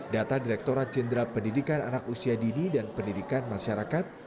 data direkturat jenderal pendidikan anak usia dini dan pendidikan masyarakat